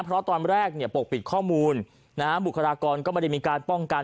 เพราะตอนแรกเนี่ยปกปิดข้อมูลนะฮะบุคลากรก็ไม่ได้มีการป้องกัน